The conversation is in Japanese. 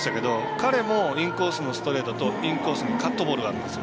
彼もインコースのストレートとインコースのカットボールがあるんですよ。